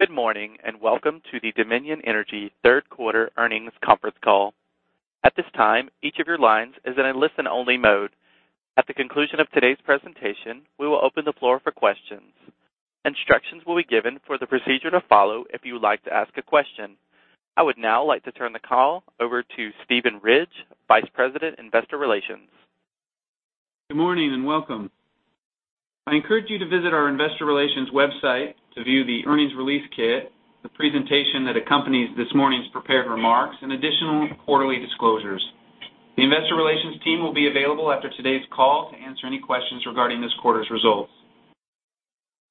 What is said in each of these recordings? Good morning, welcome to the Dominion Energy third quarter earnings conference call. At this time, each of your lines is in a listen-only mode. At the conclusion of today's presentation, we will open the floor for questions. Instructions will be given for the procedure to follow if you would like to ask a question. I would now like to turn the call over to Steven Ridge, Vice President, Investor Relations. Good morning, and welcome. I encourage you to visit our investor relations website to view the earnings release kit, the presentation that accompanies this morning's prepared remarks, and additional quarterly disclosures. The investor relations team will be available after today's call to answer any questions regarding this quarter's results.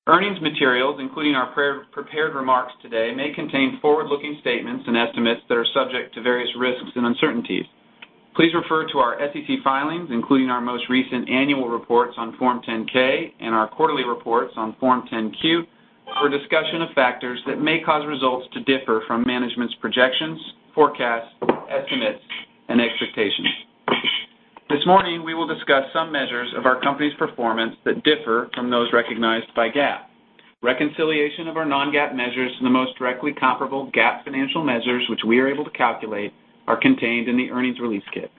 Earnings materials, including our prepared remarks today, may contain forward-looking statements and estimates that are subject to various risks and uncertainties. Please refer to our SEC filings, including our most recent annual reports on Form 10-K and our quarterly reports on Form 10-Q, for a discussion of factors that may cause results to differ from management's projections, forecasts, estimates, and expectations. This morning, we will discuss some measures of our company's performance that differ from those recognized by GAAP. Reconciliation of our non-GAAP measures to the most directly comparable GAAP financial measures, which we are able to calculate, are contained in the earnings release kit.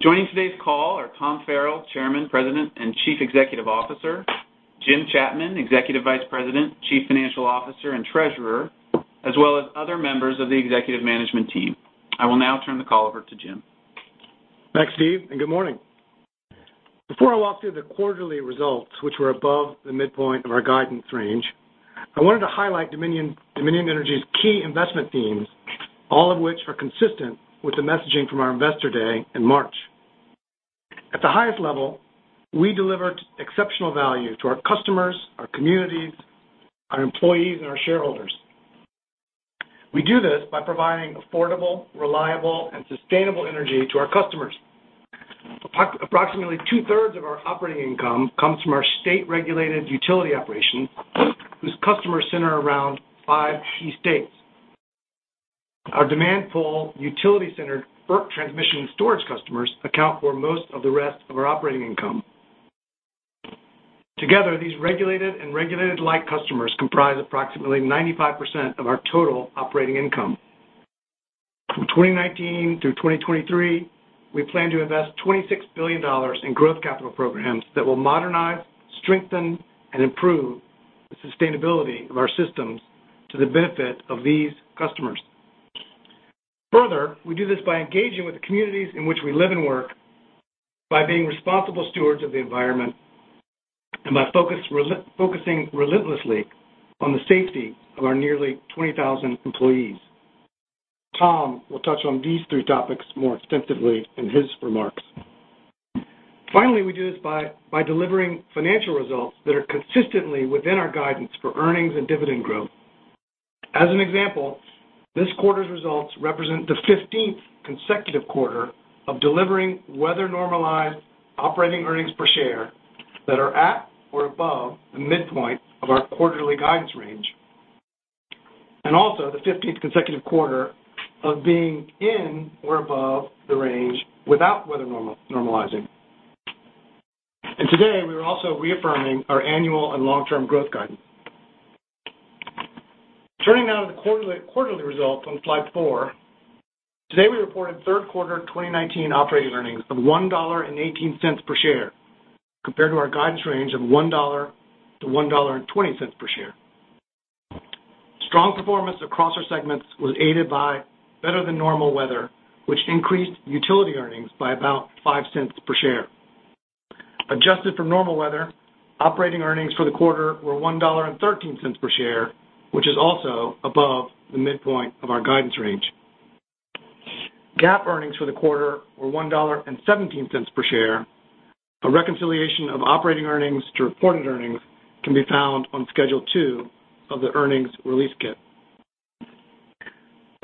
Joining today's call are Thomas Farrell, Chairman, President, and Chief Executive Officer, James Chapman, Executive Vice President, Chief Financial Officer, and Treasurer, as well as other members of the executive management team. I will now turn the call over to Jim. Thanks, Steven, good morning. Before I walk through the quarterly results, which were above the midpoint of our guidance range, I wanted to highlight Dominion Energy's key investment themes, all of which are consistent with the messaging from our investor day in March. At the highest level, we delivered exceptional value to our customers, our communities, our employees, and our shareholders. We do this by providing affordable, reliable, and sustainable energy to our customers. Approximately two-thirds of our operating income comes from our state-regulated utility operation, whose customers center around five key states. Our demand pool, utility center, bulk transmission storage customers account for most of the rest of our operating income. Together, these regulated and regulated light customers comprise approximately 95% of our total operating income. From 2019 to 2023, we plan to invest $26 billion in growth capital programs that will modernize, strengthen, and improve the sustainability of our systems to the benefit of these customers. Further, we do this by engaging with the communities in which we live and work by being responsible stewards of the environment and by focusing relentlessly on the safety of our nearly 20,000 employees. Tom will touch on these three topics more extensively in his remarks. Finally, we do this by delivering financial results that are consistently within our guidance for earnings and dividend growth. As an example, this quarter's results represent the 15th consecutive quarter of delivering weather-normalized operating earnings per share that are at or above the midpoint of our quarterly guidance range, and also the 15th consecutive quarter of being in or above the range without weather normalizing. Today, we are also reaffirming our annual and long-term growth guidance. Turning now to the quarterly results on slide four. Today, we reported third quarter 2019 operating earnings of $1.18 per share, compared to our guidance range of $1 to $1.20 per share. Strong performance across our segments was aided by better-than-normal weather, which increased utility earnings by about $0.05 per share. Adjusted for normal weather, operating earnings for the quarter were $1.13 per share, which is also above the midpoint of our guidance range. GAAP earnings for the quarter were $1.17 per share. A reconciliation of operating earnings to reported earnings can be found on Schedule two of the earnings release kit.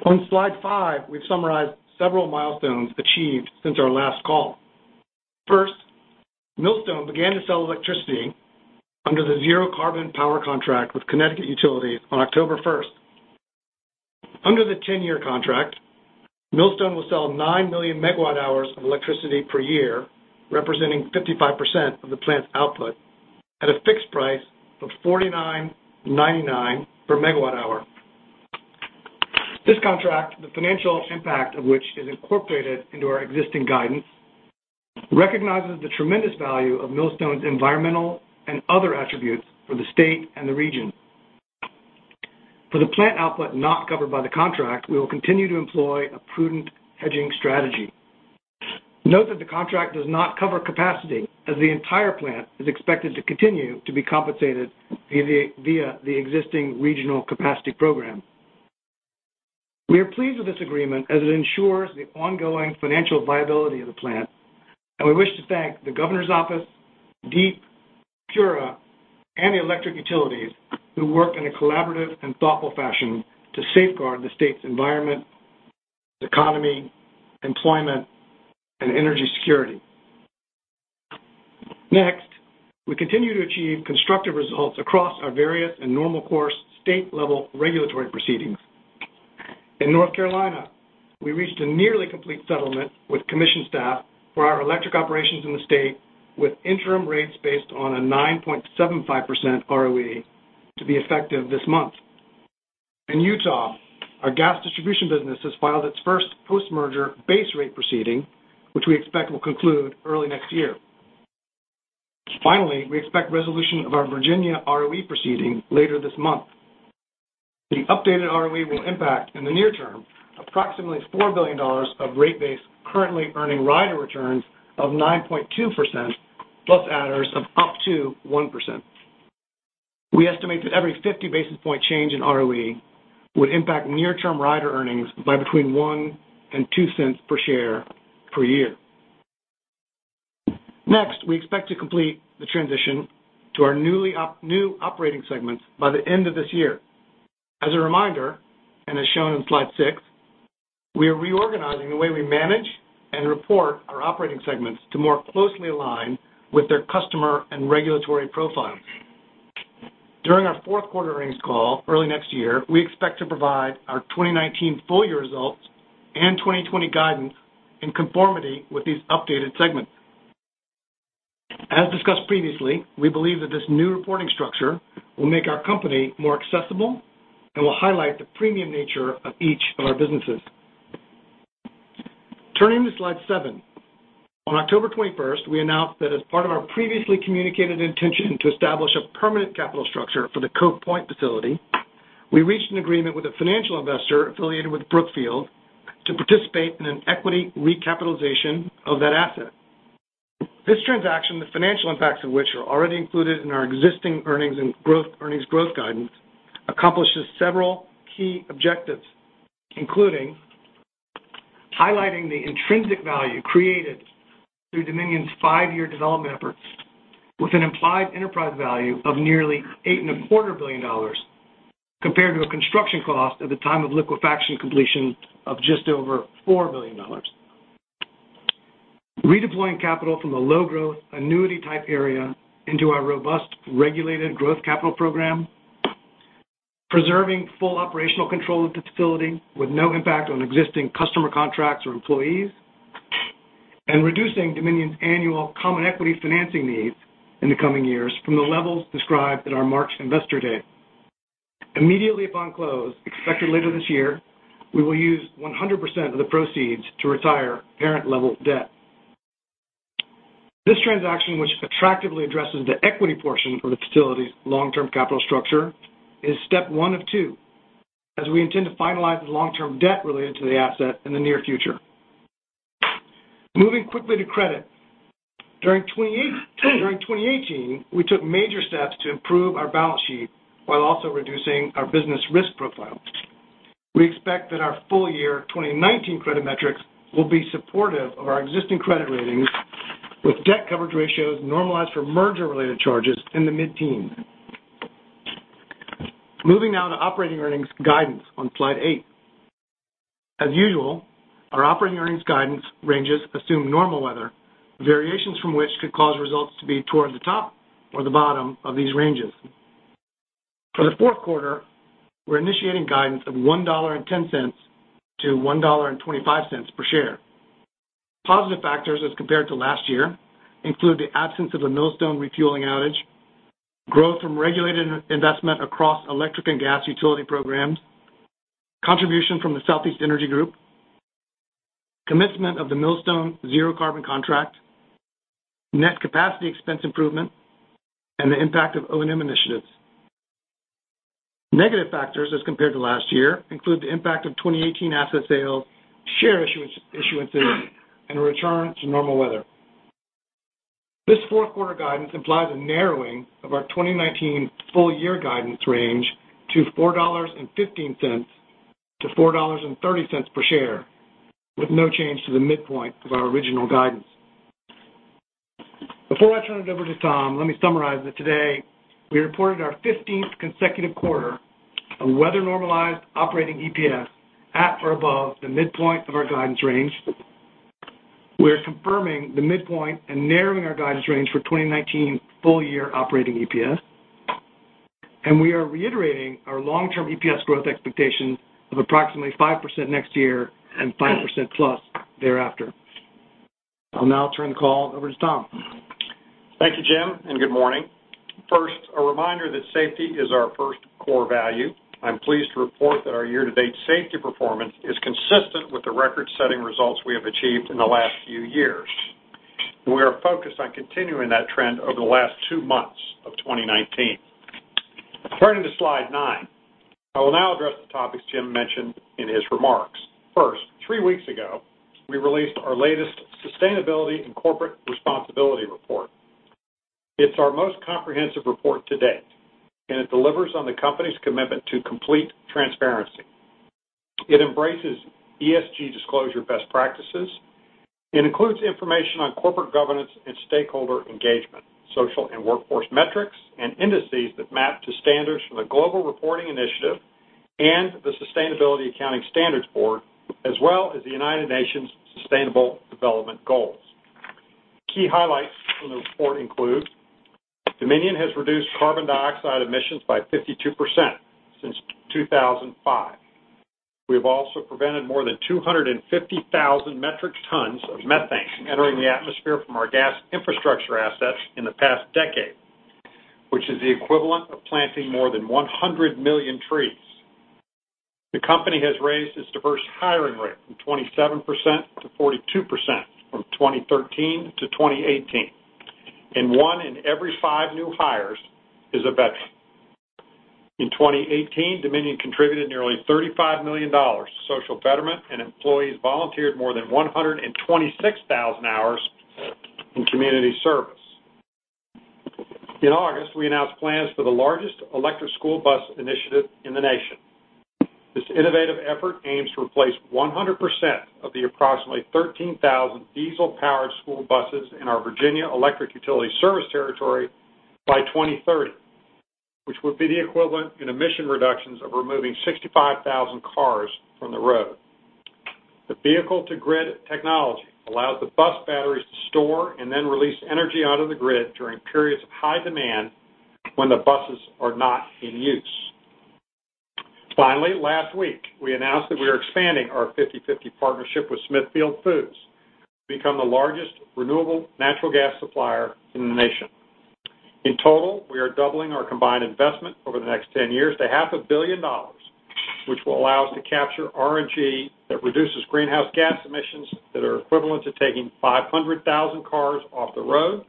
On Slide five, we've summarized several milestones achieved since our last call. First, Millstone began to sell electricity under the zero-carbon power contract with Connecticut Utilities on October 1st. Under the 10-year contract, Millstone will sell 9 million megawatt hours of electricity per year, representing 55% of the plant's output, at a fixed price of $49.99 per megawatt hour. This contract, the financial impact of which is incorporated into our existing guidance, recognizes the tremendous value of Millstone's environmental and other attributes for the state and the region. For the plant output not covered by the contract, we will continue to employ a prudent hedging strategy. Note that the contract does not cover capacity, as the entire plant is expected to continue to be compensated via the existing regional capacity program. We are pleased with this agreement as it ensures the ongoing financial viability of the plant. We wish to thank the Governor's Office, DEEP, PURA, and the electric utilities who worked in a collaborative and thoughtful fashion to safeguard the state's environment, economy, employment, and energy security. Next, we continue to achieve constructive results across our various and normal course state-level regulatory proceedings. In North Carolina, we reached a nearly complete settlement with commission staff for our electric operations in the state with interim rates based on a 9.75% ROE to be effective this month. In Utah, our Gas Distribution business has filed its first post-merger base rate proceeding, which we expect will conclude early next year. Finally, we expect resolution of our Virginia ROE proceeding later this month. The updated ROE will impact, in the near term, approximately $4 billion of rate base currently earning rider returns of 9.2% plus adders of up to 1%. We estimate that every 50-basis-point change in ROE would impact near-term rider earnings by between $0.01 and $0.02 per share per year. Next, we expect to complete the transition to our new operating segments by the end of this year. As a reminder, as shown in slide six, we are reorganizing the way we manage and report our operating segments to more closely align with their customer and regulatory profiles. During our fourth quarter earnings call early next year, we expect to provide our 2019 full-year results and 2020 guidance in conformity with these updated segments. As discussed previously, we believe that this new reporting structure will make our company more accessible and will highlight the premium nature of each of our businesses. Turning to slide seven. On October 21st, we announced that as part of our previously communicated intention to establish a permanent capital structure for the Cove Point facility, we reached an agreement with a financial investor affiliated with Brookfield to participate in an equity recapitalization of that asset. This transaction, the financial impacts of which are already included in our existing earnings growth guidance, accomplishes several key objectives, including highlighting the intrinsic value created through Dominion's five-year development efforts with an implied enterprise value of nearly $8.25 billion, compared to a construction cost at the time of liquefaction completion of just over $4 billion. Redeploying capital from a low-growth, annuity-type area into our robust, regulated growth capital program. Preserving full operational control of the facility with no impact on existing customer contracts or employees. Reducing Dominion's annual common equity financing needs in the coming years from the levels described at our March investor day. Immediately upon close, expected later this year, we will use 100% of the proceeds to retire parent-level debt. This transaction, which attractively addresses the equity portion of the facility's long-term capital structure, is step one of two, as we intend to finalize the long-term debt related to the asset in the near future. Moving quickly to credit. During 2018, we took major steps to improve our balance sheet while also reducing our business risk profile. We expect that our full-year 2019 credit metrics will be supportive of our existing credit ratings, with debt coverage ratios normalized for merger-related charges in the mid-teens. Moving now to operating earnings guidance on slide eight. As usual, our operating earnings guidance ranges assume normal weather, variations from which could cause results to be toward the top or the bottom of these ranges. For the fourth quarter, we're initiating guidance of $1.10 to $1.25 per share. Positive factors as compared to last year include the absence of a Millstone refueling outage, growth from regulated investment across electric and gas utility programs, contribution from the Southeast Energy Group, commencement of the Millstone zero-carbon contract, net capacity expense improvement, and the impact of O&M initiatives. Negative factors as compared to last year include the impact of 2018 asset sales, share issuances, and a return to normal weather. This fourth quarter guidance implies a narrowing of our 2019 full-year guidance range to $4.15-$4.30 per share, with no change to the midpoint of our original guidance. Before I turn it over to Tom, let me summarize that today we reported our 15th consecutive quarter of weather-normalized operating EPS at or above the midpoint of our guidance range. We are confirming the midpoint and narrowing our guidance range for 2019 full-year operating EPS. We are reiterating our long-term EPS growth expectation of approximately 5% next year and 5% plus thereafter. I'll now turn the call over to Tom. Thank you, Jim, and good morning. First, a reminder that safety is our first core value. I'm pleased to report that our year-to-date safety performance is consistent with the record-setting results we have achieved in the last few years. We are focused on continuing that trend over the last two months of 2019. Turning to slide nine. I will now address the topics Jim mentioned in his remarks. First, three weeks ago, we released our latest sustainability and corporate responsibility report. It's our most comprehensive report to date, and it delivers on the company's commitment to complete transparency. It embraces ESG disclosure best practices. It includes information on corporate governance and stakeholder engagement, social and workforce metrics, and indices that map to standards from the Global Reporting Initiative and the Sustainability Accounting Standards Board, as well as the United Nations' Sustainable Development Goals. Key highlights from the report include Dominion has reduced carbon dioxide emissions by 52% since 2005. We have also prevented more than 250,000 metric tons of methane from entering the atmosphere from our gas infrastructure assets in the past decade, which is the equivalent of planting more than 100 million trees. The company has raised its diverse hiring rate from 27% to 42% from 2013 to 2018, and one in every five new hires is a veteran. In 2018, Dominion contributed nearly $35 million to social betterment, and employees volunteered more than 126,000 hours in community service. In August, we announced plans for the largest electric school bus initiative in the nation. This innovative effort aims to replace 100% of the approximately 13,000 diesel-powered school buses in our Virginia electric utility service territory by 2030, which would be the equivalent in emission reductions of removing 65,000 cars from the road. The vehicle-to-grid technology allows the bus batteries to store and then release energy out of the grid during periods of high demand when the buses are not in use. Finally, last week, we announced that we are expanding our 50/50 partnership with Smithfield Foods to become the largest renewable natural gas supplier in the nation. In total, we are doubling our combined investment over the next 10 years to half a billion dollars, which will allow us to capture RNG that reduces greenhouse gas emissions that are equivalent to taking 500,000 cars off the road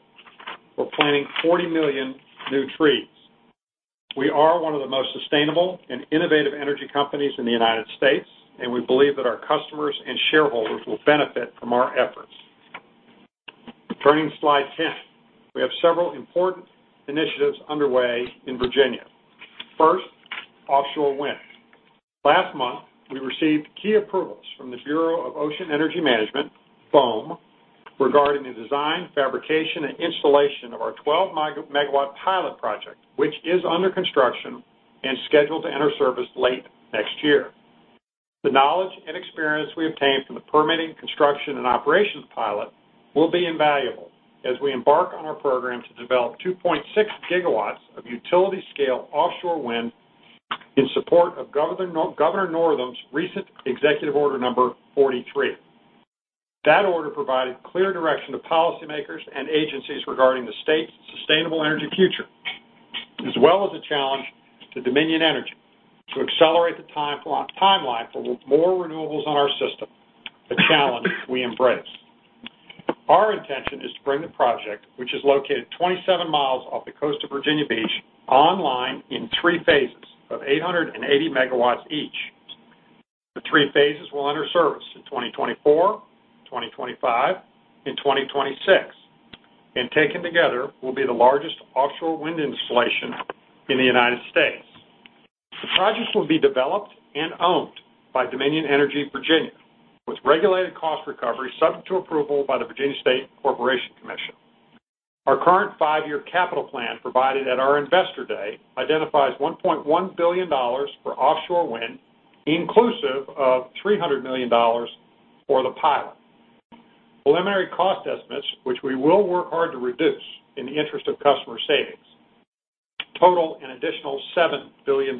or planting 40 million new trees. We are one of the most sustainable and innovative energy companies in the United States, and we believe that our customers and shareholders will benefit from our efforts. Turning to slide 10. We have several important initiatives underway in Virginia. First, offshore wind. Last month, we received key approvals from the Bureau of Ocean Energy Management, BOEM, regarding the design, fabrication, and installation of our 12-megawatt pilot project, which is under construction and scheduled to enter service late next year. The knowledge and experience we obtain from the permitting, construction, and operations pilot will be invaluable as we embark on our program to develop 2.6 gigawatts of utility-scale offshore wind in support of Governor Northam's recent Executive Order Number 43. That order provided clear direction to policymakers and agencies regarding the state's sustainable energy future, as well as a challenge to Dominion Energy to accelerate the timeline for more renewables on our system, a challenge we embrace. Our intention is to bring the project, which is located 27 miles off the coast of Virginia Beach, online in three phases of 880 megawatts each. The three phases will enter service in 2024, 2025, and 2026, and taken together, will be the largest offshore wind installation in the U.S. The projects will be developed and owned by Dominion Energy Virginia, with regulated cost recovery subject to approval by the Virginia State Corporation Commission. Our current five-year capital plan provided at our investor day identifies $1.1 billion for offshore wind, inclusive of $300 million for the pilot. Preliminary cost estimates, which we will work hard to reduce in the interest of customer savings, total an additional $7 billion.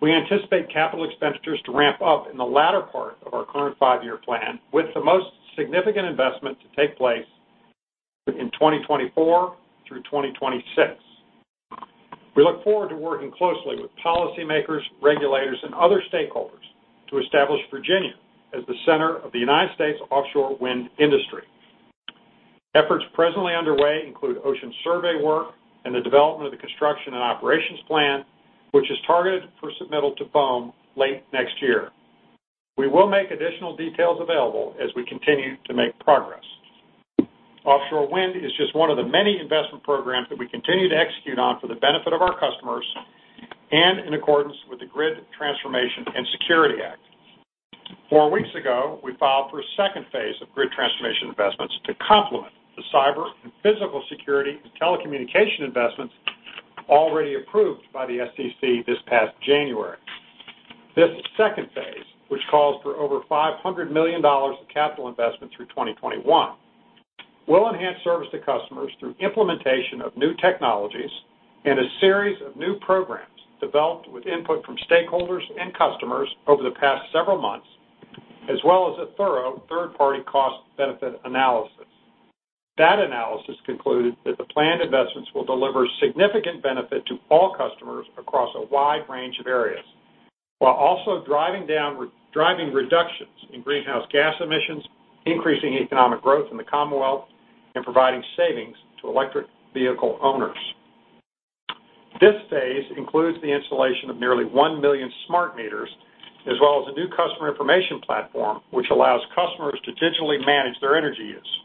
We anticipate capital expenditures to ramp up in the latter part of our current five-year plan, with the most significant investment to take place in 2024 through 2026. We look forward to working closely with policymakers, regulators, and other stakeholders to establish Virginia as the center of the United States offshore wind industry. Efforts presently underway include ocean survey work and the development of the construction and operations plan, which is targeted for submittal to BOEM late next year. We will make additional details available as we continue to make progress. Offshore wind is just one of the many investment programs that we continue to execute on for the benefit of our customers and in accordance with the Grid Transformation and Security Act. Four weeks ago, we filed for a second phase of grid transformation investments to complement the cyber and physical security and telecommunication investments already approved by the SEC this past January. This second phase, which calls for over $500 million of capital investment through 2021, will enhance service to customers through implementation of new technologies and a series of new programs developed with input from stakeholders and customers over the past several months, as well as a thorough third-party cost-benefit analysis. That analysis concluded that the planned investments will deliver significant benefit to all customers across a wide range of areas, while also driving reductions in greenhouse gas emissions, increasing economic growth in the Commonwealth, and providing savings to electric vehicle owners. This phase includes the installation of nearly one million smart meters, as well as a new customer information platform, which allows customers to digitally manage their energy use.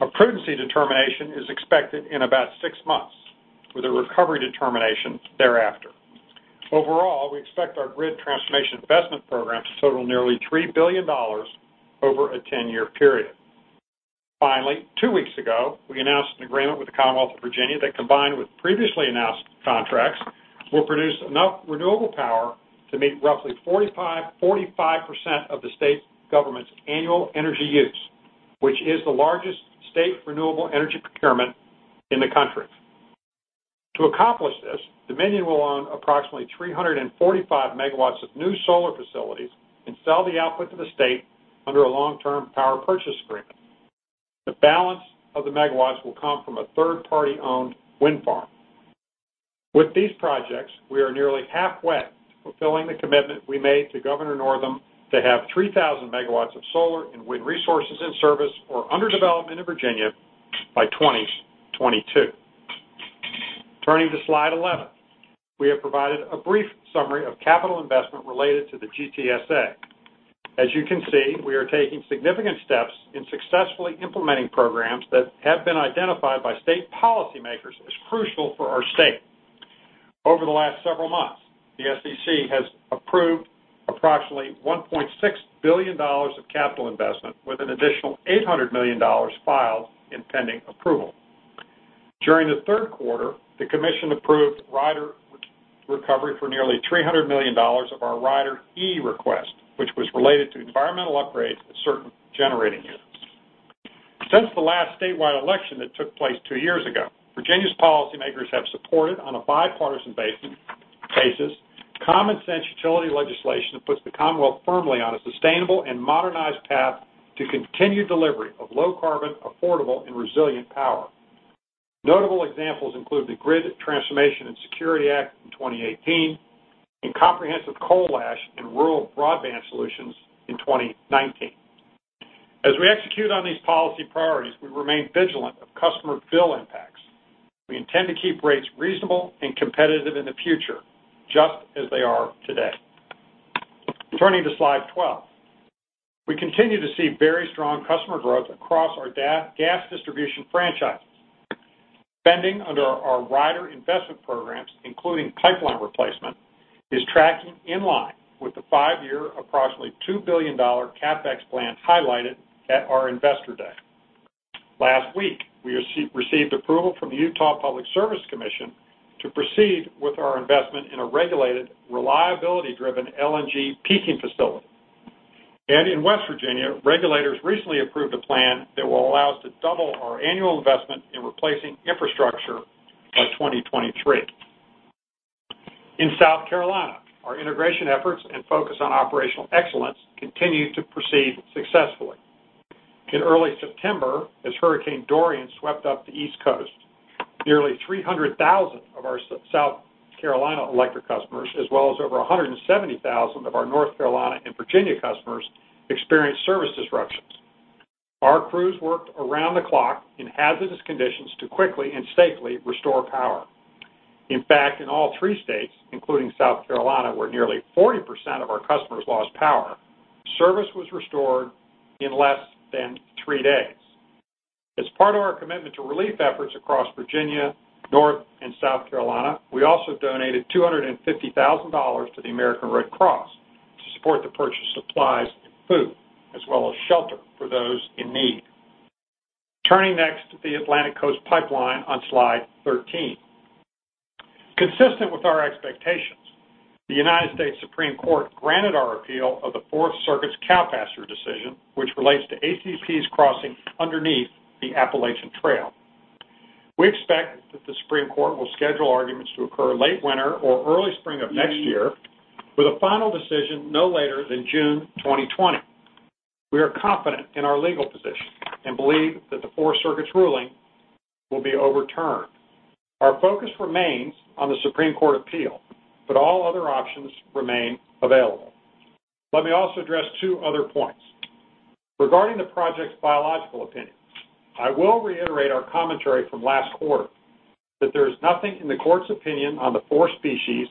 A prudency determination is expected in about six months, with a recovery determination thereafter. Overall, we expect our grid transformation investment program to total nearly $3 billion over a 10-year period. Finally, two weeks ago, we announced an agreement with the Commonwealth of Virginia that, combined with previously announced contracts will produce enough renewable power to meet roughly 45% of the state government's annual energy use, which is the largest state renewable energy procurement in the country. To accomplish this, Dominion will own approximately 345 megawatts of new solar facilities and sell the output to the state under a long-term power purchase agreement. The balance of the megawatts will come from a third-party-owned wind farm. With these projects, we are nearly halfway to fulfilling the commitment we made to Governor Northam to have 3,000 megawatts of solar and wind resources in service or under development in Virginia by 2022. Turning to slide 11. We have provided a brief summary of capital investment related to the GTSA. As you can see, we are taking significant steps in successfully implementing programs that have been identified by state policymakers as crucial for our state. Over the last several months, the SEC has approved approximately $1.6 billion of capital investment, with an additional $800 million filed in pending approval. During the third quarter, the commission approved rider recovery for nearly $300 million of our Rider E request, which was related to environmental upgrades at certain generating units. Since the last statewide election that took place two years ago, Virginia's policymakers have supported, on a bipartisan basis, common-sense utility legislation that puts the Commonwealth firmly on a sustainable and modernized path to continued delivery of low-carbon, affordable, and resilient power. Notable examples include the Grid Transformation and Security Act in 2018 and comprehensive coal ash and rural broadband solutions in 2019. As we execute on these policy priorities, we remain vigilant of customer bill impacts. We intend to keep rates reasonable and competitive in the future, just as they are today. Turning to slide 12. We continue to see very strong customer growth across our gas distribution franchises. Spending under our rider investment programs, including pipeline replacement, is tracking in line with the 5-year, approximately $2 billion CapEx plan highlighted at our Investor Day. Last week, we received approval from the Public Service Commission of Utah to proceed with our investment in a regulated, reliability-driven LNG peaking facility. In West Virginia, regulators recently approved a plan that will allow us to double our annual investment in replacing infrastructure by 2023. In South Carolina, our integration efforts and focus on operational excellence continue to proceed successfully. In early September, as Hurricane Dorian swept up the East Coast, nearly 300,000 of our South Carolina electric customers, as well as over 170,000 of our North Carolina and Virginia customers, experienced service disruptions. Our crews worked around the clock in hazardous conditions to quickly and safely restore power. In fact, in all three states, including South Carolina, where nearly 40% of our customers lost power, service was restored in less than three days. As part of our commitment to relief efforts across Virginia, North and South Carolina, we also donated $250,000 to the American Red Cross to support the purchase of supplies and food, as well as shelter for those in need. Turning next to the Atlantic Coast Pipeline on Slide 13. Consistent with our expectations, the United States Supreme Court granted our appeal of the Fourth Circuit's Cowpasture decision, which relates to ACP's crossing underneath the Appalachian Trail. We expect that the Supreme Court will schedule arguments to occur late winter or early spring of next year, with a final decision no later than June 2020. We are confident in our legal position and believe that the Fourth Circuit's ruling will be overturned. Our focus remains on the Supreme Court appeal, all other options remain available. Let me also address two other points. Regarding the project's biological opinions, I will reiterate our commentary from last quarter that there is nothing in the court's opinion on the four species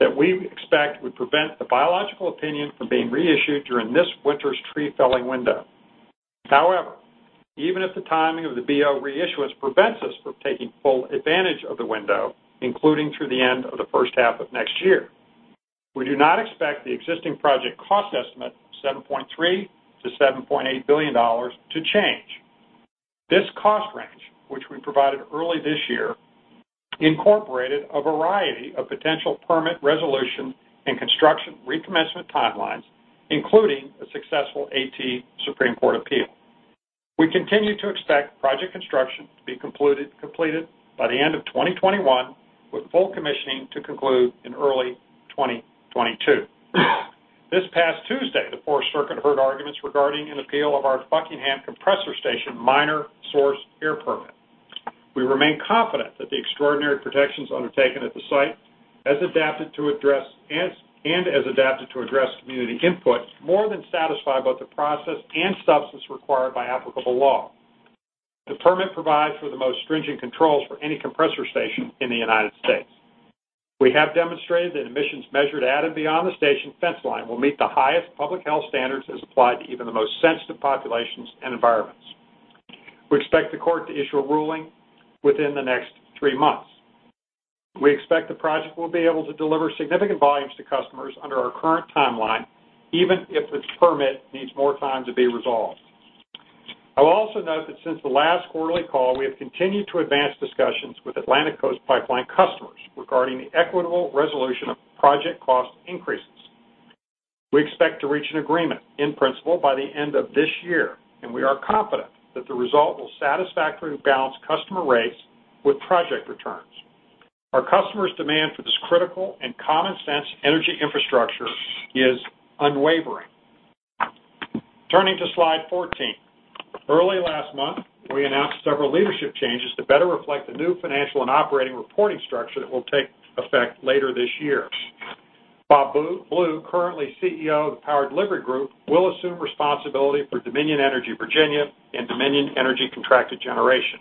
that we expect would prevent the biological opinion from being reissued during this winter's tree-felling window. Even if the timing of the BO reissuance prevents us from taking full advantage of the window, including through the end of the first half of next year, we do not expect the existing project cost estimate of $7.3 billion-$7.8 billion to change. This cost range, which we provided early this year, incorporated a variety of potential permit resolution and construction recommencement timelines, including a successful U.S. Supreme Court appeal. We continue to expect project construction to be completed by the end of 2021, with full commissioning to conclude in early 2022. This past Tuesday, the Fourth Circuit heard arguments regarding an appeal of our Buckingham Compressor Station minor source air permit. We remain confident that the extraordinary protections undertaken at the site, and as adapted to address community input, more than satisfy both the process and substance required by applicable law. The permit provides for the most stringent controls for any compressor station in the United States. We have demonstrated that emissions measured at and beyond the station fence line will meet the highest public health standards as applied to even the most sensitive populations and environments. We expect the court to issue a ruling within the next three months. We expect the project will be able to deliver significant volumes to customers under our current timeline, even if its permit needs more time to be resolved. I'll also note that since the last quarterly call, we have continued to advance discussions with Atlantic Coast Pipeline customers regarding the equitable resolution of project cost increases. We expect to reach an agreement in principle by the end of this year, and we are confident that the result will satisfactorily balance customer rates with project returns. Our customers' demand for this critical and common-sense energy infrastructure is unwavering. Turning to slide 14. Early last month, we announced several leadership changes to better reflect the new financial and operating reporting structure that will take effect later this year. Bob Blue, currently CEO of the Power Delivery Group, will assume responsibility for Dominion Energy Virginia and Dominion Energy Contracted Generation.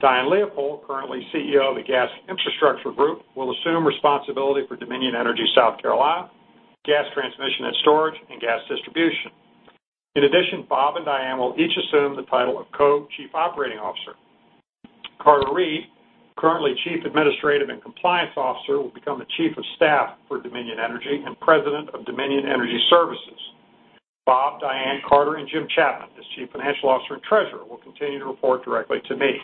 Diane Leopold, currently CEO of the Gas Infrastructure Group, will assume responsibility for Dominion Energy South Carolina, Gas Transmission and Storage, and Gas Distribution. In addition, Bob and Diane will each assume the title of Co-Chief Operating Officer. Carter Reid, currently Chief Administrative and Compliance Officer, will become the Chief of Staff for Dominion Energy and President of Dominion Energy Services. Bob, Diane, Carter, and Jim Chapman, as Chief Financial Officer, and Treasurer, will continue to report directly to me.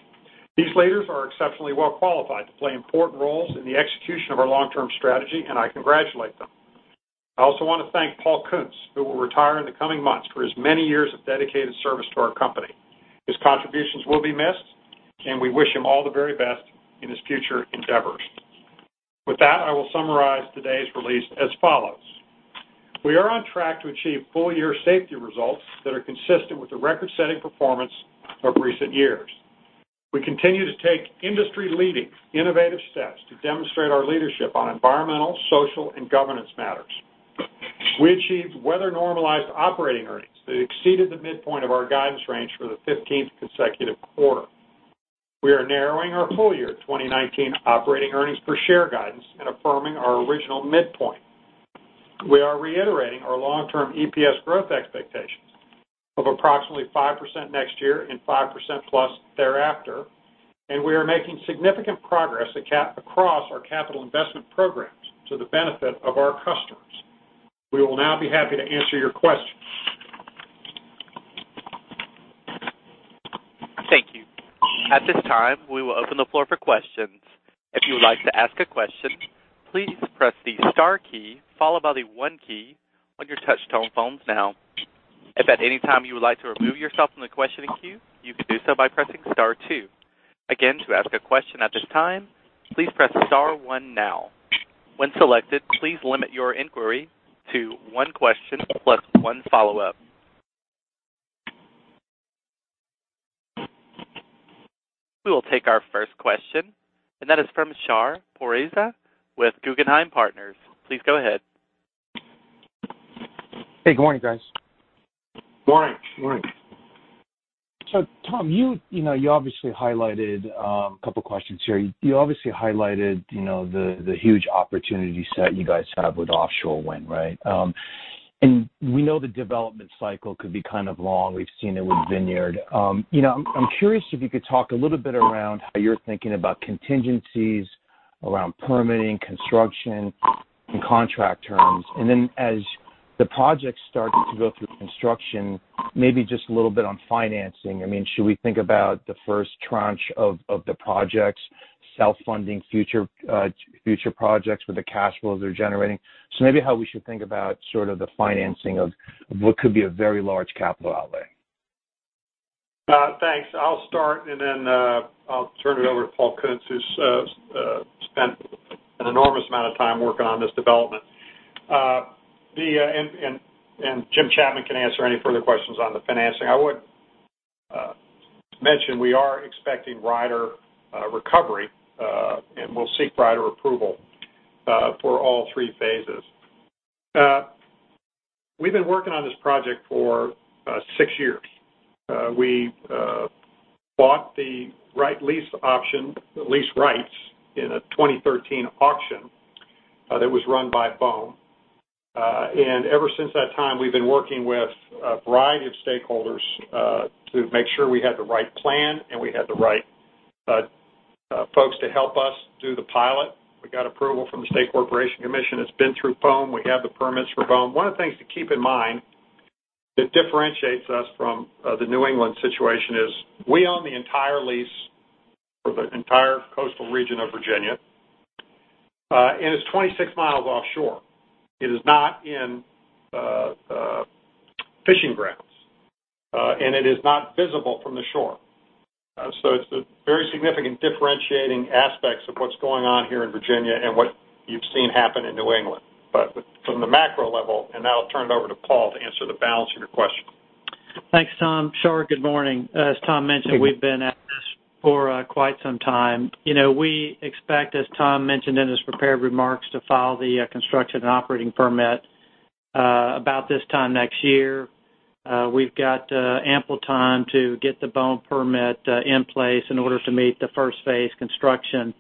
These leaders are exceptionally well-qualified to play important roles in the execution of our long-term strategy, and I congratulate them. I also want to thank Paul Koonce, who will retire in the coming months, for his many years of dedicated service to our company. His contributions will be missed, and we wish him all the very best in his future endeavors. With that, I will summarize today's release as follows. We are on track to achieve full-year safety results that are consistent with the record-setting performance of recent years. We continue to take industry-leading innovative steps to demonstrate our leadership on environmental, social, and governance matters. We achieved weather-normalized operating earnings that exceeded the midpoint of our guidance range for the 15th consecutive quarter. We are narrowing our full-year 2019 operating earnings per share guidance and affirming our original midpoint. We are reiterating our long-term EPS growth expectations of approximately 5% next year and 5% plus thereafter. We are making significant progress across our capital investment programs to the benefit of our customers. We will now be happy to answer your questions. Thank you. At this time, we will open the floor for questions. If you would like to ask a question, please press the star key, followed by the one key on your touch-tone phones now. If at any time you would like to remove yourself from the questioning queue, you can do so by pressing star two. Again, to ask a question at this time, please press star one now. When selected, please limit your inquiry to one question plus one follow-up. We will take our first question, and that is from Shar Pourreza with Guggenheim Partners. Please go ahead. Hey, good morning, guys. Morning. Morning. Tom, a couple questions here. You obviously highlighted the huge opportunity set you guys have with offshore wind, right? We know the development cycle could be kind of long. We've seen it with Vineyard. I'm curious if you could talk a little bit around how you're thinking about contingencies around permitting, construction, and contract terms. Then as the project's starting to go through construction, maybe just a little bit on financing. Should we think about the first tranche of the projects self-funding future projects with the cash flows they're generating? Maybe how we should think about sort of the financing of what could be a very large capital outlay. Thanks. I'll start, then I'll turn it over to Paul Koonce, who's spent an enormous amount of time working on this development. Jim Chapman can answer any further questions on the financing. I would mention we are expecting rider recovery, and we'll seek rider approval for all three phases. We've been working on this project for six years. We bought the lease rights in a 2013 auction that was run by BOEM. Ever since that time, we've been working with a variety of stakeholders to make sure we had the right plan and we had the right folks to help us do the pilot. We got approval from the State Corporation Commission. It's been through BOEM. We have the permits for BOEM. One of the things to keep in mind that differentiates us from the New England situation is we own the entire lease for the entire coastal region of Virginia, and it's 26 miles offshore. It is not in fishing grounds, and it is not visible from the shore. It's a very significant differentiating aspects of what's going on here in Virginia and what you've seen happen in New England. From the macro level, and now I'll turn it over to Paul to answer the balance of your question. Thanks, Tom. Shar, good morning. Good morning. We've been at this for quite some time. We expect, as Tom mentioned in his prepared remarks, to file the construction and operating permit about this time next year. We've got ample time to get the BOEM permit in place in order to meet the first-phase construction.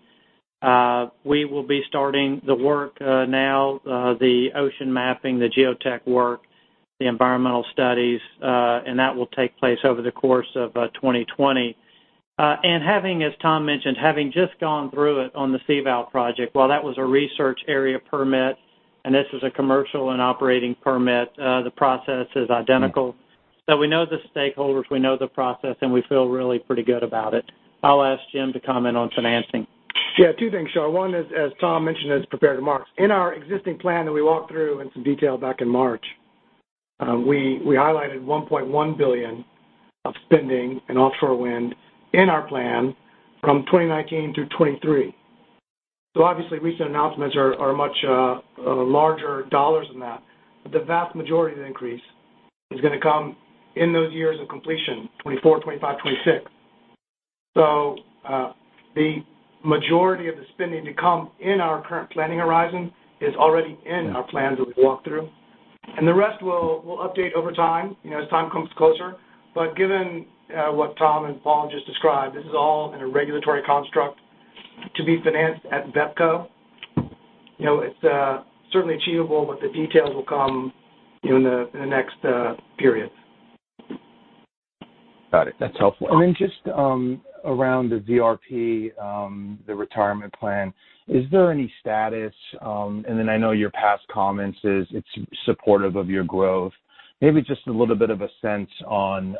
We will be starting the work now, the ocean mapping, the geotech work, the environmental studies, and that will take place over the course of 2020. As Tom mentioned, having just gone through it on the CVOW project, while that was a research area permit and this is a commercial and operating permit, the process is identical. We know the stakeholders, we know the process, and we feel really pretty good about it. I'll ask Jim to comment on financing. Yeah, two things, Shar. One is, as Tom mentioned as prepared remarks, in our existing plan that we walked through in some detail back in March, we highlighted $1.1 billion of spending in offshore wind in our plan from 2019 to 2023. Obviously, recent announcements are much larger dollars than that. The vast majority of the increase is going to come in those years of completion, 2024, 2025, 2026. The majority of the spending to come in our current planning horizon is already in our plan that we walked through. The rest we'll update over time, as time comes closer. Given what Tom and Paul just described, this is all in a regulatory construct to be financed at VEPCO. It's certainly achievable, but the details will come in the next periods. Got it. That's helpful. Just around the VRP, the retirement plan, is there any status? I know your past comments is it's supportive of your growth. Maybe just a little bit of a sense on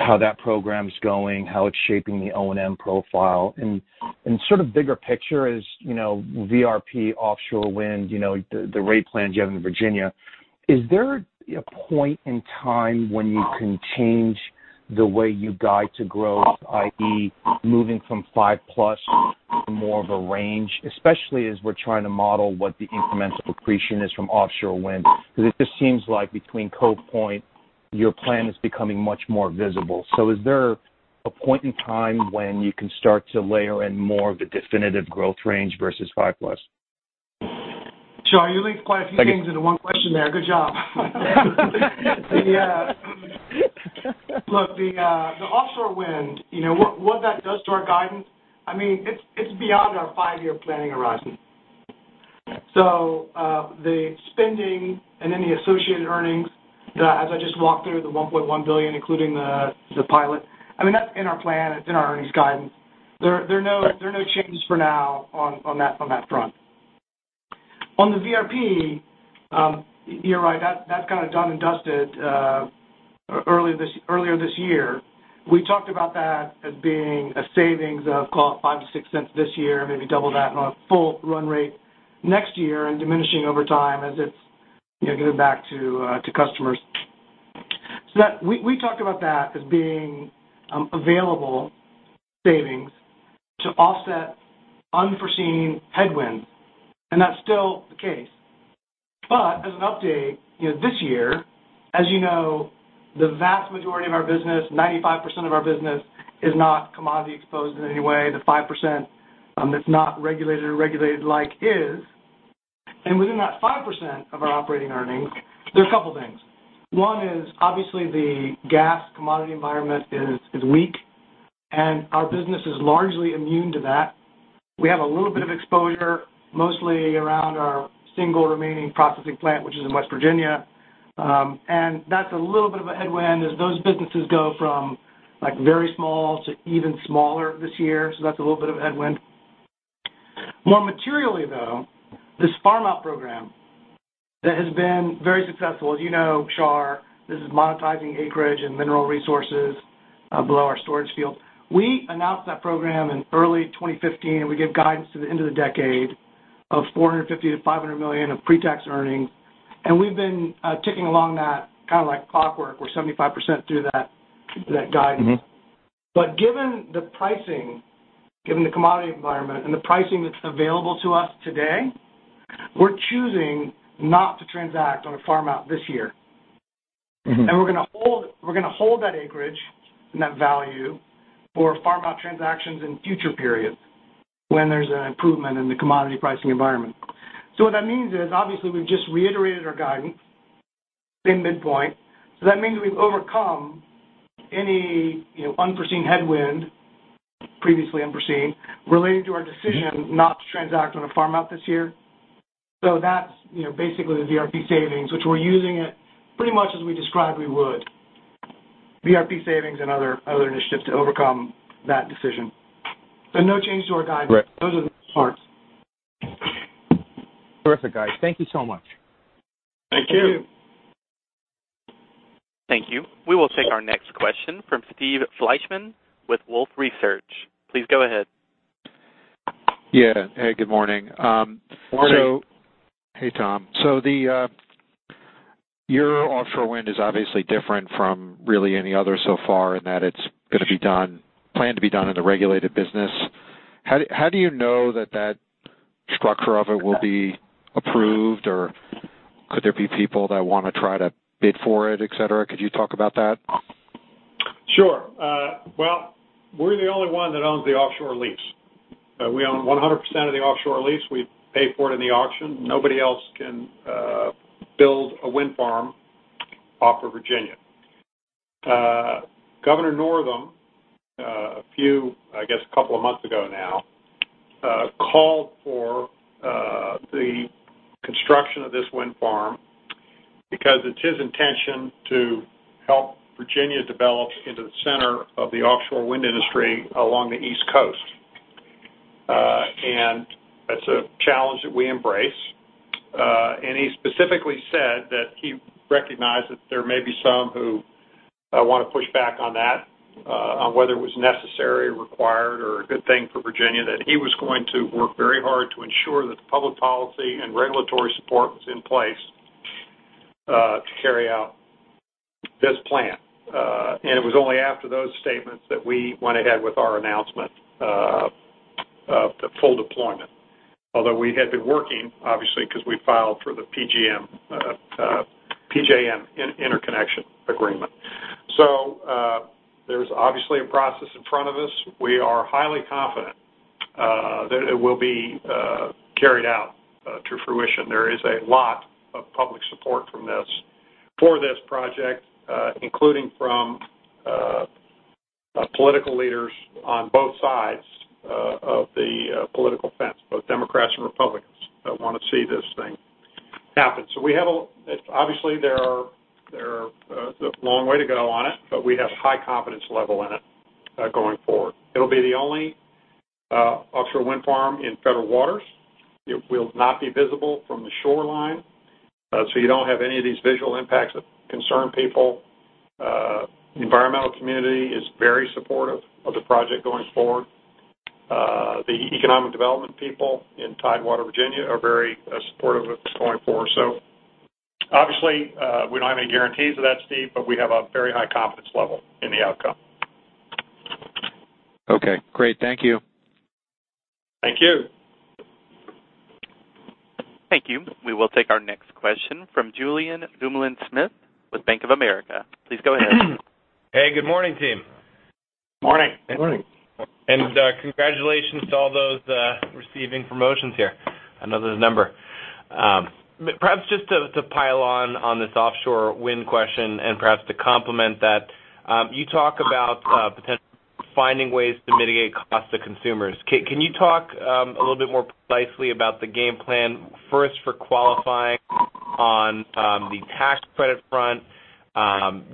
how that program is going, how it's shaping the O&M profile, and sort of bigger picture is VRP offshore wind, the rate plans you have in Virginia. Is there a point in time when you can change the way you guide to growth, i.e., moving from five-plus to more of a range? Especially as we're trying to model what the incremental depreciation is from offshore wind. It just seems like between Cove Point, your plan is becoming much more visible. Is there a point in time when you can start to layer in more of the definitive growth range versus five-plus? Shar, you linked quite a few things into one question there. Good job. Look, the offshore wind, what that does to our guidance, it's beyond our five-year planning horizon. The spending and any associated earnings, as I just walked through the $1.1 billion, including the pilot, that's in our plan, it's in our earnings guidance. There are no changes for now on that front. On the VRP, you're right. That's kind of done and dusted earlier this year. We talked about that as being a savings of call it $0.05-$0.06 this year, maybe double that on a full run rate next year and diminishing over time as it's given back to customers. We talked about that as being available savings to offset unforeseen headwinds, and that's still the case. As an update, this year, as you know, the vast majority of our business, 95% of our business, is not commodity exposed in any way. The 5% that's not regulated or regulated-like is. Within that 5% of our operating earnings, there's a couple things. One is obviously the gas commodity environment is weak, and our business is largely immune to that. We have a little bit of exposure, mostly around our single remaining processing plant, which is in West Virginia. That's a little bit of a headwind as those businesses go from very small to even smaller this year. That's a little bit of a headwind. More materially, though, this farm-out program that has been very successful. As you know, Shar, this is monetizing acreage and mineral resources below our storage fields. We announced that program in early 2015. We gave guidance to the end of the decade of $450 million-$500 million of pre-tax earnings. We've been ticking along that kind of like clockwork. We're 75% through that guidance. Given the pricing, given the commodity environment and the pricing that's available to us today, we're choosing not to transact on a farm-out this year. We're going to hold that acreage and that value for farm-out transactions in future periods when there's an improvement in the commodity pricing environment. What that means is, obviously, we've just reiterated our guidance in midpoint. That means we've overcome any unforeseen headwind, previously unforeseen, relating to our decision not to transact on a farm-out this year. That's basically the VRP savings, which we're using it pretty much as we described we would. VRP savings and other initiatives to overcome that decision. No change to our guidance. Great. Those are the parts. Terrific, guys. Thank you so much. Thank you. Thank you. We will take our next question from Steve Fleishman with Wolfe Research. Please go ahead. Yeah. Hey, good morning. Morning. Hey, Tom. Your offshore wind is obviously different from really any other so far in that it's going to be planned to be done in the regulated business. How do you know that that structure of it will be approved or could there be people that want to try to bid for it, et cetera? Could you talk about that? Sure. Well, we're the only one that owns the offshore lease. We own 100% of the offshore lease. We paid for it in the auction. Nobody else can build a wind farm off of Virginia. Ralph Northam, I guess a couple of months ago now, called for the Of this wind farm, because it's his intention to help Virginia develop into the center of the offshore wind industry along the East Coast. That's a challenge that we embrace. He specifically said that he recognized that there may be some who want to push back on that, on whether it was necessary, required, or a good thing for Virginia, that he was going to work very hard to ensure that the public policy and regulatory support was in place to carry out this plan. It was only after those statements that we went ahead with our announcement of the full deployment. Although we had been working, obviously, because we filed for the PJM interconnection agreement. There's obviously a process in front of us. We are highly confident that it will be carried out to fruition. There is a lot of public support for this project, including from political leaders on both sides of the political fence, both Democrats and Republicans, that want to see this thing happen. Obviously, there's a long way to go on it, but we have high confidence level in it, going forward. It'll be the only offshore wind farm in federal waters. It will not be visible from the shoreline, so you don't have any of these visual impacts that concern people. The environmental community is very supportive of the project going forward. The economic development people in Tidewater, Virginia, are very supportive of this going forward. Obviously, we don't have any guarantees of that, Steve, but we have a very high confidence level in the outcome. Okay, great. Thank you. Thank you. Thank you. We will take our next question from Julien Dumoulin-Smith with Bank of America. Please go ahead. Hey, good morning, team. Morning. Morning. Congratulations to all those receiving promotions here. I know there's a number. Perhaps just to pile on this offshore wind question and perhaps to complement that, you talk about potentially finding ways to mitigate costs to consumers. Can you talk a little bit more precisely about the game plan, first for qualifying on the tax credit front,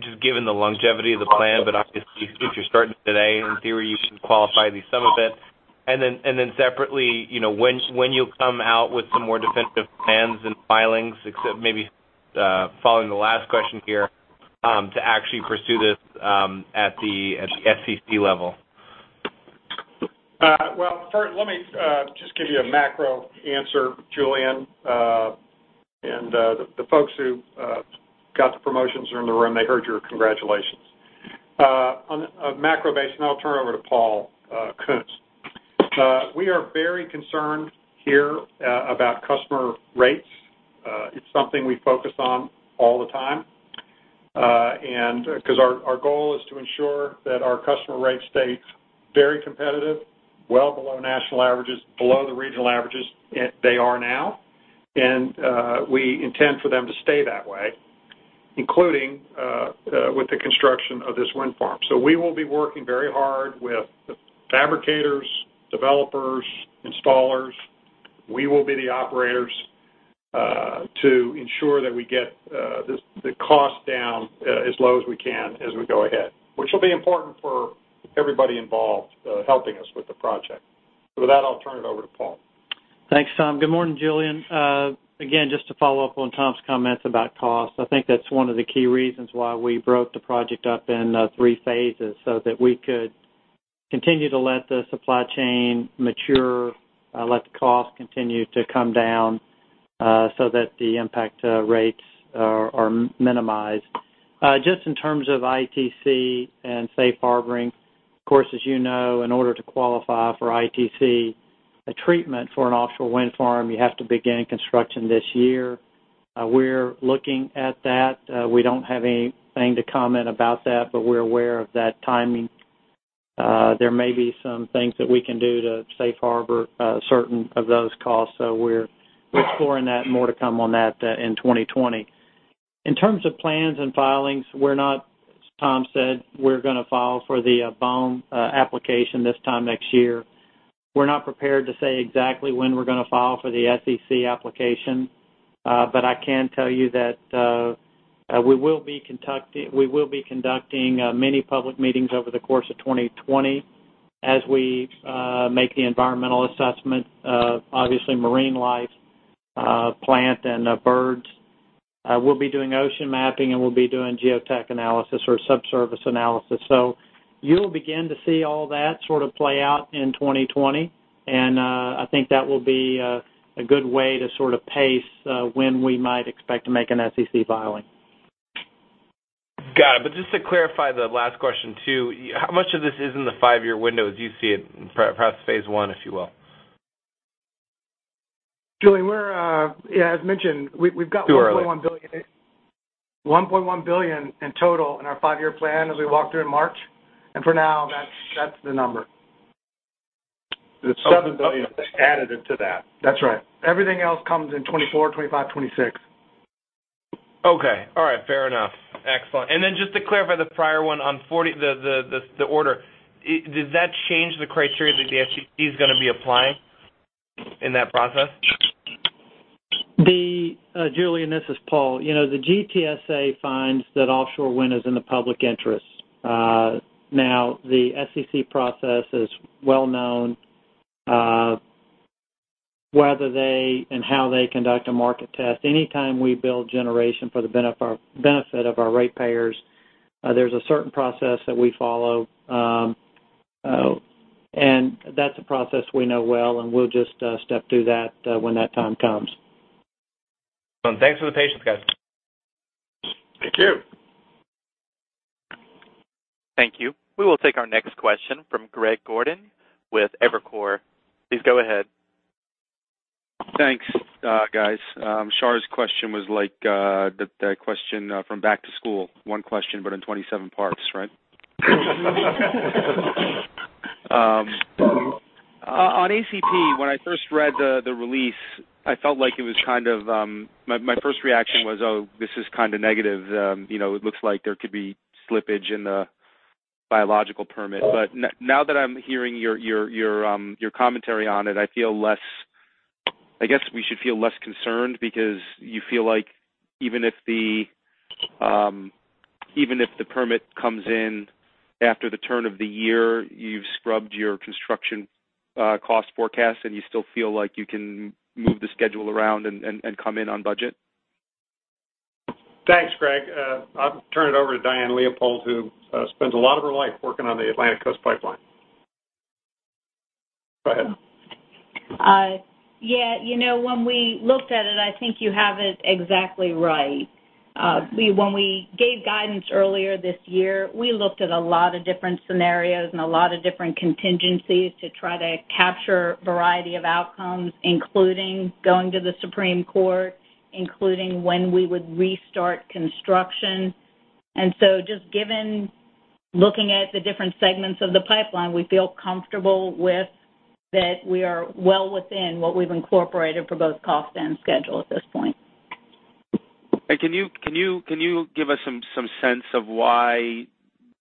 just given the longevity of the plan, but obviously if you're starting today, in theory, you should qualify at least some of it. Separately, when you'll come out with some more definitive plans and filings, except maybe following the last question here, to actually pursue this at the SEC level. Well, first, let me just give you a macro answer, Julien. The folks who got the promotions are in the room, they heard your congratulations. On a macro base, I'll turn it over to Paul Koonce. We are very concerned here about customer rates. It's something we focus on all the time. Our goal is to ensure that our customer rates stay very competitive, well below national averages, below the regional averages. They are now. We intend for them to stay that way, including with the construction of this wind farm. We will be working very hard with the fabricators, developers, installers. We will be the operators to ensure that we get the cost down as low as we can as we go ahead, which will be important for everybody involved helping us with the project. With that, I'll turn it over to Paul. Thanks, Tom. Good morning, Julien. Just to follow up on Tom's comments about cost, I think that's one of the key reasons why we broke the project up into 3 phases, so that we could continue to let the supply chain mature, let the cost continue to come down, so that the impact to rates are minimized. Just in terms of ITC and safe harboring, of course, as you know, in order to qualify for ITC treatment for an offshore wind farm, you have to begin construction this year. We're looking at that. We don't have anything to comment about that, but we're aware of that timing. There may be some things that we can do to safe harbor certain of those costs. We're exploring that. More to come on that in 2020. In terms of plans and filings, as Tom said, we're going to file for the BOEM application this time next year. We're not prepared to say exactly when we're going to file for the SEC application. I can tell you that we will be conducting many public meetings over the course of 2020 as we make the environmental assessment of, obviously, marine life, plant, and birds. We'll be doing ocean mapping, and we'll be doing geotech analysis or sub-service analysis. You'll begin to see all that sort of play out in 2020, and I think that will be a good way to sort of pace when we might expect to make an SEC filing. Got it. Just to clarify the last question, too, how much of this is in the five-year window as you see it, perhaps phase one, if you will? Julien, as mentioned. Too early. $1.1 billion in total in our five-year plan as we walked through in March. For now, that's the number. The $7 billion is just additive to that. That's right. Everything else comes in 2024, 2025, 2026. Okay. All right. Fair enough. Excellent. Then just to clarify the prior one on the order, does that change the criteria that the SEC is going to be applying in that process? Julian, this is Paul. The GTSA finds that offshore wind is in the public interest. The SEC process is well-known, whether they and how they conduct a market test. Anytime we build generation for the benefit of our ratepayers, there's a certain process that we follow. That's a process we know well, and we'll just step through that when that time comes. Thanks for the patience, guys. Thank you. Thank you. We will take our next question from Greg Gordon with Evercore. Please go ahead. Thanks, guys. Shar's question was like the question from back to school, one question, but in 27 parts, right? On ACP, when I first read the release, my first reaction was, "Oh, this is kind of negative. It looks like there could be slippage in the biological permit." Now that I'm hearing your commentary on it, I guess we should feel less concerned because you feel like even if the permit comes in after the turn of the year, you've scrubbed your construction cost forecast, and you still feel like you can move the schedule around and come in on budget? Thanks, Greg. I'll turn it over to Diane Leopold, who spends a lot of her life working on the Atlantic Coast Pipeline. Go ahead. Yeah. When we looked at it, I think you have it exactly right. When we gave guidance earlier this year, we looked at a lot of different scenarios and a lot of different contingencies to try to capture variety of outcomes, including going to the Supreme Court, including when we would restart construction. Just looking at the different segments of the pipeline, we feel comfortable with that we are well within what we've incorporated for both cost and schedule at this point. Can you give us some sense of why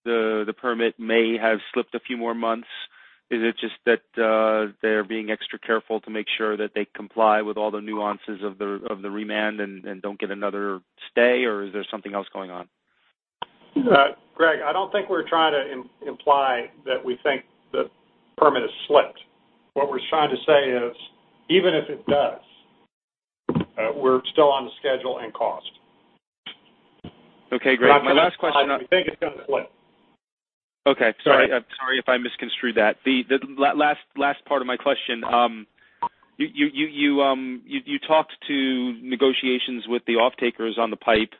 the permit may have slipped a few more months? Is it just that they're being extra careful to make sure that they comply with all the nuances of the remand and don't get another stay, or is there something else going on? Greg, I don't think we're trying to imply that we think the permit has slipped. What we're trying to say is, even if it does, we're still on the schedule and cost. Okay, great. My last question. We don't think it's going to slip. Okay. Sorry if I misconstrued that. The last part of my question, you talked to negotiations with the off-takers on the pipe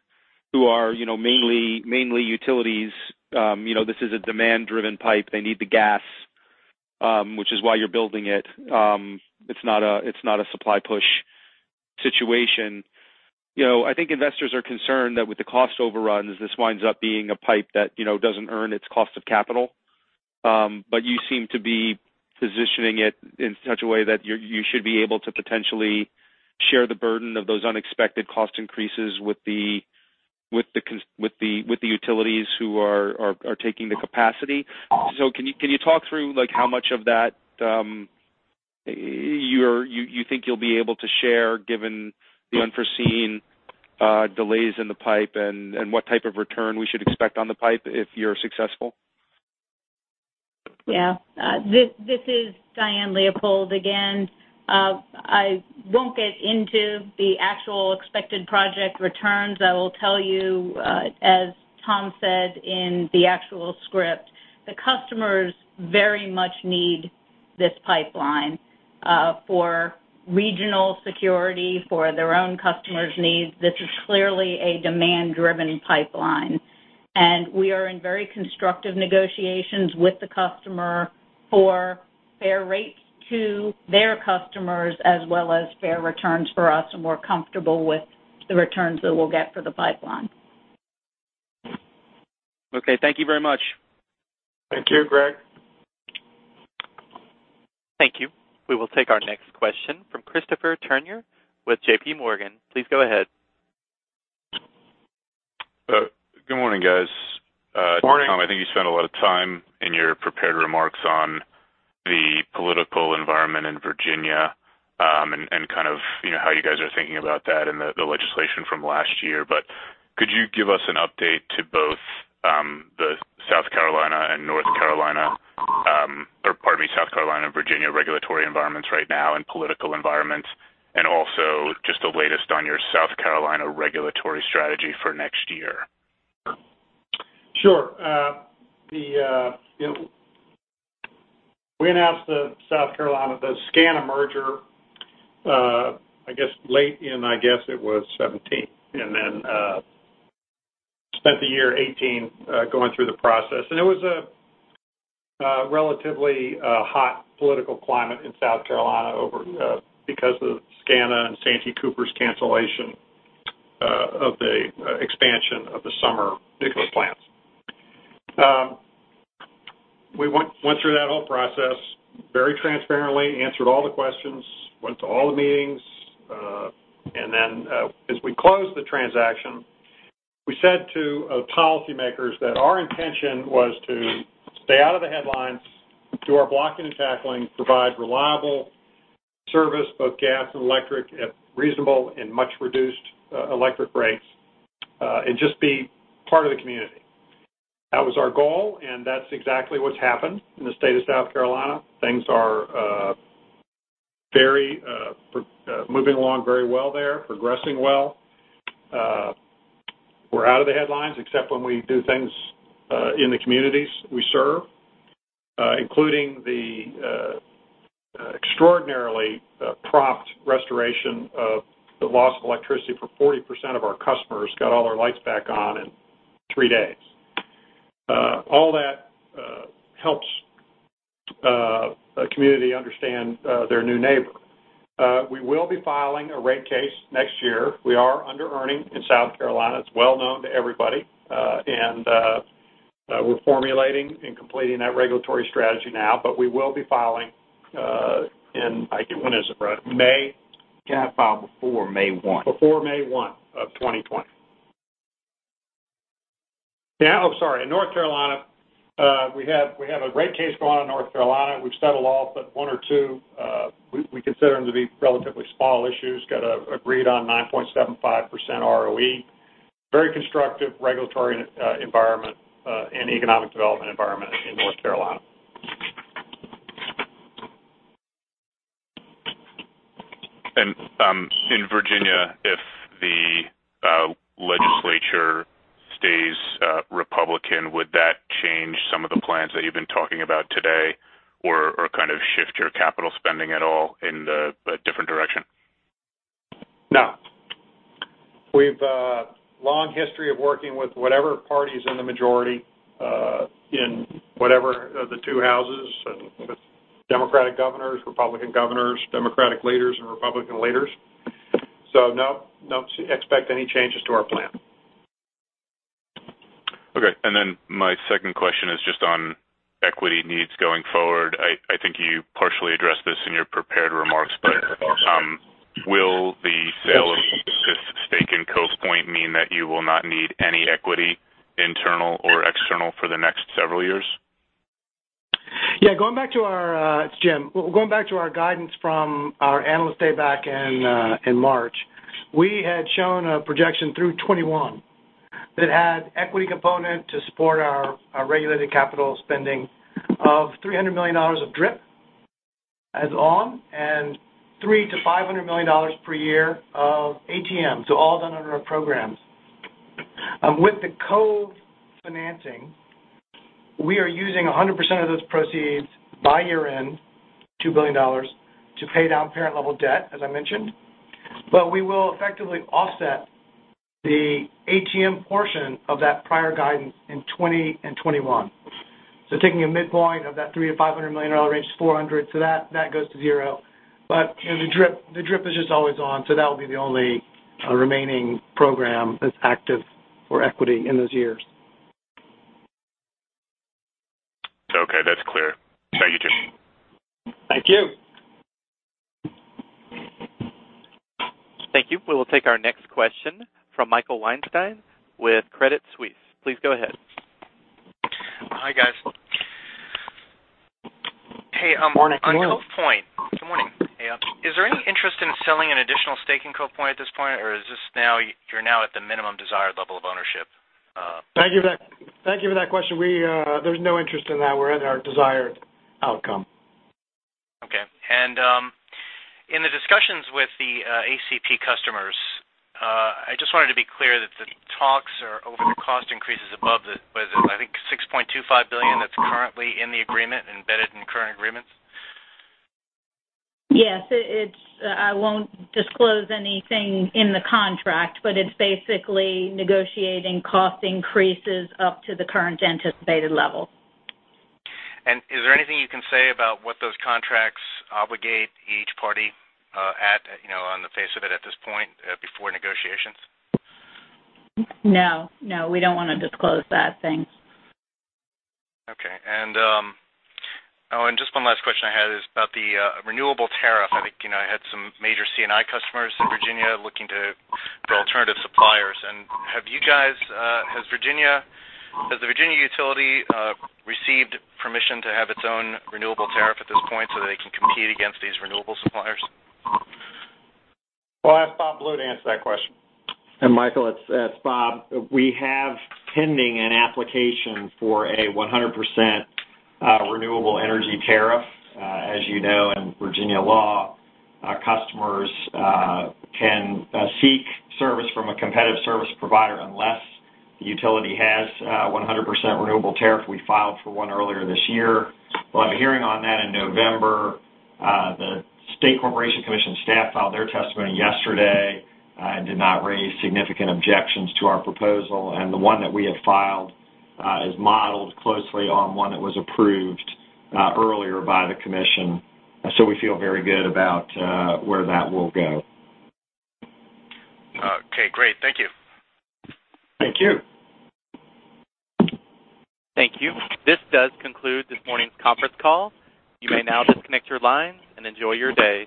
who are mainly utilities. This is a demand-driven pipe. They need the gas, which is why you're building it. It's not a supply push situation. I think investors are concerned that with the cost overruns, this winds up being a pipe that doesn't earn its cost of capital. You seem to be positioning it in such a way that you should be able to potentially share the burden of those unexpected cost increases with the utilities who are taking the capacity. Can you talk through how much of that you think you'll be able to share given the unforeseen delays in the pipe and what type of return we should expect on the pipe if you're successful? Yeah. This is Diane Leopold again. I won't get into the actual expected project returns. I will tell you, as Tom said in the actual script, the customers very much need this pipeline, for regional security, for their own customers' needs. This is clearly a demand-driven pipeline, and we are in very constructive negotiations with the customer for fair rates to their customers as well as fair returns for us, and we're comfortable with the returns that we'll get for the pipeline. Okay. Thank you very much. Thank you, Greg. Thank you. We will take our next question from Christopher Turner with JPMorgan. Please go ahead. Good morning, guys. Morning. Tom, I think you spent a lot of time in your prepared remarks on the political environment in Virginia, and how you guys are thinking about that and the legislation from last year. Could you give us an update to both the South Carolina and North Carolina, or pardon me, South Carolina and Virginia regulatory environments right now and political environments, and also just the latest on your South Carolina regulatory strategy for next year? Sure. We announced the South Carolina, the SCANA merger, late in, I guess it was 2017. Then spent the year 2018 going through the process. It was a relatively hot political climate in South Carolina because of SCANA and Santee Cooper's cancellation of a. We very transparently answered all the questions, went to all the meetings. Then as we closed the transaction, we said to policymakers that our intention was to stay out of the headlines, do our blocking and tackling, provide reliable service, both gas and electric, at reasonable and much reduced electric rates, and just be part of the community. That was our goal. That's exactly what's happened in the state of South Carolina. Things are moving along very well there, progressing well. We're out of the headlines except when we do things in the communities we serve, including the extraordinarily prompt restoration of the loss of electricity for 40% of our customers, got all their lights back on in three days. All that helps a community understand their new neighbor. We will be filing a rate case next year. We are under-earning in South Carolina. It's well known to everybody. We're formulating and completing that regulatory strategy now, but we will be filing in, when is it, Brad? May? You got to file before May 1. Before May 1 of 2020. Oh, sorry. In North Carolina, we have a rate case going on in North Carolina. We've settled all but one or two. We consider them to be relatively small issues. Got agreed on 9.75% ROE. Very constructive regulatory environment and economic development environment in North Carolina. In Virginia, if the legislature stays Republican, would that change some of the plans that you've been talking about today or kind of shift your capital spending at all in a different direction? No. We've a long history of working with whatever party is in the majority in whatever the two houses, Democratic governors, Republican governors, Democratic leaders, and Republican leaders. No, don't expect any changes to our plan. Okay, my second question is just on equity needs going forward. I think you partially addressed this in your prepared remarks, will the sale of this stake in Cove Point mean that you will not need any equity, internal or external, for the next several years? It's Jim. Going back to our guidance from our Analyst Day back in March, we had shown a projection through 2021 that had equity component to support our regulated capital spending of $300 million of DRIP as on, and $300 million-$500 million per year of ATM. All done under our programs. With the CVOW financing, we are using 100% of those proceeds by year-end, $2 billion, to pay down parent level debt, as I mentioned. We will effectively offset the ATM portion of that prior guidance in 2020 and 2021. Taking a midpoint of that $300 million-$500 million range is 400. That goes to zero. The DRIP is just always on, that will be the only remaining program that's active for equity in those years. Okay, that's clear. Thank you, Jim. Thank you. Thank you. We will take our next question from Michael Weinstein with Credit Suisse. Please go ahead. Hi, guys. Morning, Michael. On Cove Point. Good morning. Hey. Is there any interest in selling an additional stake in Cove Point at this point, or you're now at the minimum desired level of ownership? Thank you for that question. There's no interest in that. We're at our desired outcome. Okay. In the discussions with the ACP customers, I just wanted to be clear that the talks are over the cost increases above the, what is it? I think $6.25 billion that's currently in the agreement, embedded in current agreements. Yes. I won't disclose anything in the contract, but it's basically negotiating cost increases up to the current anticipated level. Is there anything you can say about what those contracts obligate each party at, on the face of it at this point, before negotiations? No, we don't want to disclose that. Thanks. Okay. Just one last question I had is about the renewable tariff. I think I had some major C&I customers in Virginia looking to alternative suppliers. Has the Virginia utility received permission to have its own renewable tariff at this point so that they can compete against these renewable suppliers? Well, I'll ask Bob Blue to answer that question. Michael, it's Bob. We have pending an application for a 100% renewable energy tariff. As you know, in Virginia law, customers can seek service from a competitive service provider unless the utility has 100% renewable tariff. We filed for one earlier this year. We'll have a hearing on that in November. The State Corporation Commission staff filed their testimony yesterday and did not raise significant objections to our proposal. The one that we have filed is modeled closely on one that was approved earlier by the Commission. So we feel very good about where that will go. Okay, great. Thank you. Thank you. Thank you. This does conclude this morning's conference call. You may now disconnect your lines and enjoy your day.